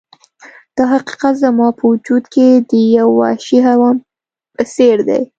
دا حقیقت زما په وجود کې د یو وحشي حیوان په څیر دی